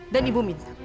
dan ibu minta